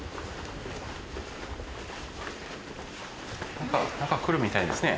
何か来るみたいですね。